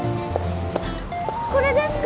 これですか？